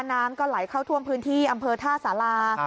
น้ำก็ไหลเข้าท่วมพื้นที่อำเภอท่าสารา